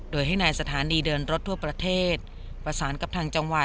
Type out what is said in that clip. โดยให้นายสถานีเดินรถทั่วประเทศประสานกับทางจังหวัด